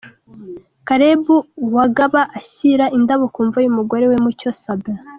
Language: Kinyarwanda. Caleb Uwagaba ashyira indabo ku mva y’umugore we Mucyo Sabin